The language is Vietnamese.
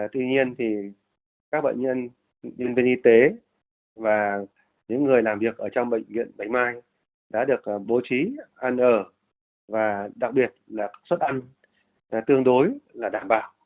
tuy nhiên thì các bệnh nhân nhân viên y tế và những người làm việc ở trong bệnh viện bạch mai đã được bố trí ăn ở và đặc biệt là suất ăn tương đối là đảm bảo